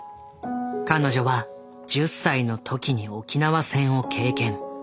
彼女は１０歳のときに沖縄戦を経験。